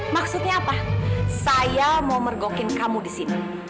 maksudnya apa saya mau mergokin kamu di sini